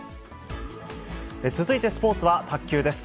続いてスポーツは卓球です。